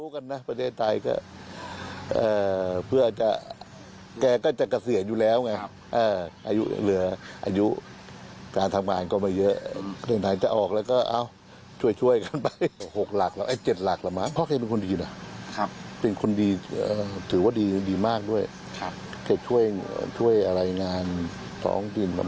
เขาช่วยอะไรงานสองกินบริจาคอะไรอย่างนี้